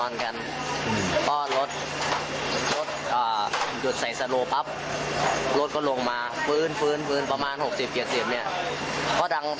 แล้วนี่หลับผู้หรือเปล่า